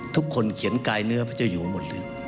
ทุกคนเขียนกายเนื้อพระเจ้าอยู่หมดเลย